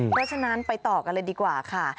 เพราะฉะนั้นไปต่อกันเลยดีกว่าค่ะ